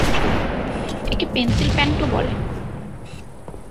একে পেনসিল প্যান্টও বলে।